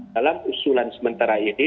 dalam usulan sementara ini